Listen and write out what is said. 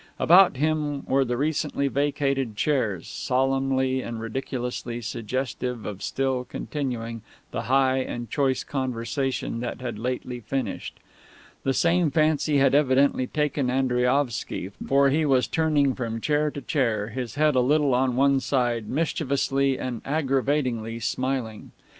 About him were the recently vacated chairs, solemnly and ridiculously suggestive of still continuing the high and choice conversation that had lately finished. The same fancy had evidently taken Andriaovsky, for he was turning from chair to chair, his head a little on one side, mischievously and aggravatingly smiling.